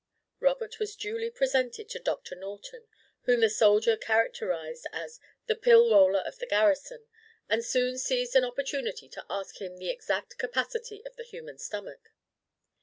Robert was duly presented to Doctor Norton, whom the soldier characterised as "the pill roller of the garrison," and soon seized an opportunity to ask him the exact capacity of the human stomach.